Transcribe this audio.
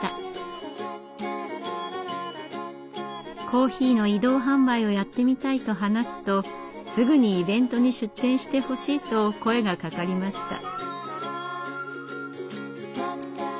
コーヒーの移動販売をやってみたいと話すとすぐにイベントに出店してほしいと声がかかりました。